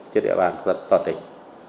trên địa bàn toàn tỉnh